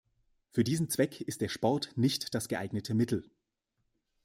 Für diesen Zweck ist der Sport nicht das geeignete Mittel.